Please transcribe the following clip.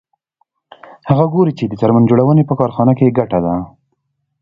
هغه ګوري چې د څرمن جوړونې په کارخانه کې ګټه ده